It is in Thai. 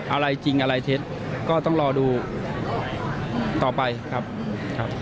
อะไรจริงอะไรเท็จก็ต้องรอดูต่อไปครับครับ